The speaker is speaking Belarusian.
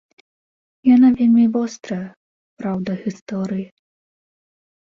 Яна вельмі вострая, праўда гісторыі.